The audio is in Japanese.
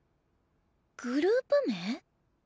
「グループ名」？